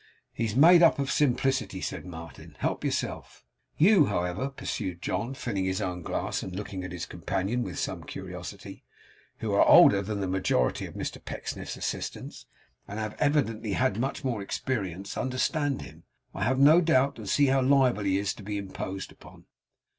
'He's made up of simplicity,' said Martin. 'Help yourself.' 'You, however,' pursued John, filling his own glass, and looking at his companion with some curiosity, 'who are older than the majority of Mr Pecksniff's assistants, and have evidently had much more experience, understand him, I have no doubt, and see how liable he is to be imposed upon.